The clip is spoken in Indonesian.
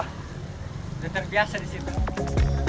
sudah terbiasa disitu